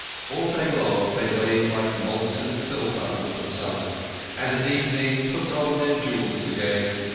All day long they lay like molten silver under the sun, and at evening put on their jewels again.